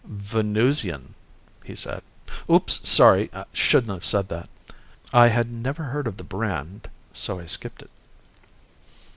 "Venusian," he said. "Oops, sorry. Shouldn't have said that." I had never heard of the brand so I skipped it.